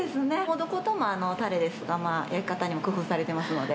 どこもタレですとか焼き方にも工夫されてますので。